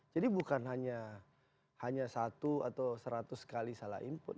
jadi bukan hanya satu atau seratus kali salah input